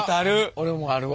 俺もあるわ。